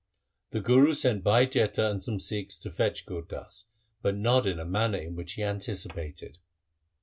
2 The Guru sent Bhai Jetha and some Sikhs to fetch Gur Das, but not in the manner in which he had anticipated.